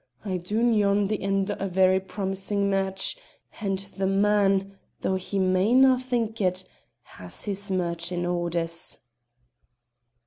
I doot yon's the end o' a very promisin' match, and the man, though he mayna' think it, has his merchin' orders."